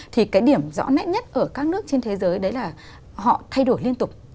thì cái điểm rõ nét nhất ở các nước trên thế giới đấy là họ thay đổi liên tục